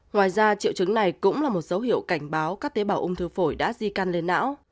ngoài ra triệu chứng này cũng là một dấu hiệu cảnh báo các tế bào ung thư phổi đã di căn lên não